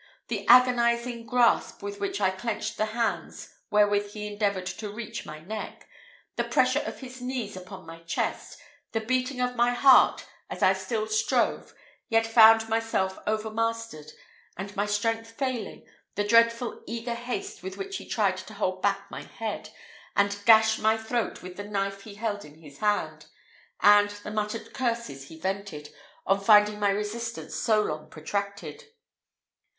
the agonising grasp with which I clenched the hands wherewith he endeavoured to reach my neck the pressure of his knees upon my chest the beating of my heart as I still strove, yet found myself overmastered, and my strength failing the dreadful, eager haste with which he tried to hold back my head, and gash my throat with the knife he held in his hand and the muttered curses he vented, on finding my resistance so long protracted.